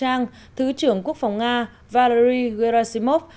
tổng thống vũ trang thứ trưởng quốc phòng nga valery gerasimov